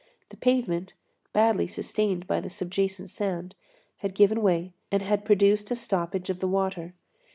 The pavement, badly sustained by the subjacent sand, had given way and had produced a stoppage of the water.